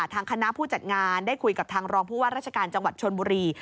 ทางคณะผู้จัดงานได้คุยกับทางรองผู้ว่าราชการจังหวัดชนบุรี